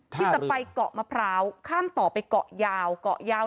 ที่จะไปเกาะมะพร้าวข้ามต่อไปเกาะยาวเกาะยาว